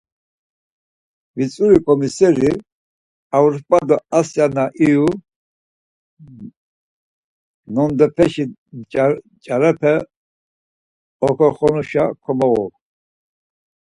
Vitzuri ǩomiseri Avropa do Asya na iyu nondepeşi nç̌arape oǩoxunuşa komoğu.